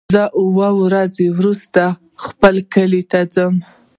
زه اووه ورځې وروسته خپل کلی ته ځم.